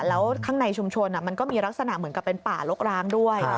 แล้วข้างในชุมชนมันก็มีลักษณะเหมือนกับเป็นป่ารกร้างด้วย